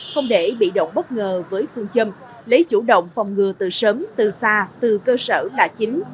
không để bị động bất ngờ với phương châm lấy chủ động phòng ngừa từ sớm từ xa từ cơ sở là chính